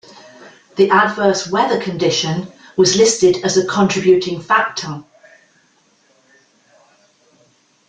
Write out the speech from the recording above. The adverse weather condition was listed as a contributing factor.